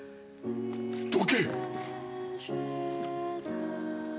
どけ。